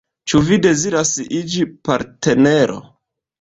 Ĉu vi deziras iĝi partnero?